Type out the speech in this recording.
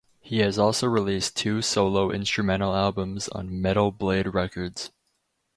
He has also released two solo instrumental albums on Metal Blade Records.